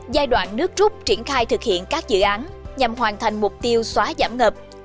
giai đoạn nước rút triển khai thực hiện các dự án nhằm hoàn thành mục tiêu xóa giảm ngập